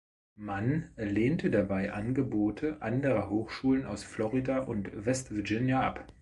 Mann lehnte dabei Angebote anderer Hochschulen aus Florida und West Virginia ab.